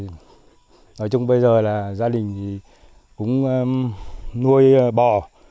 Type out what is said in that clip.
nói chung bây giờ là gia đình cũng nuôi bò